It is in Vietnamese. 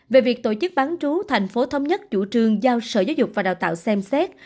về việc tổ chức bán trú tp hcm chủ trường giao sở giáo dục và đào tạo xem xét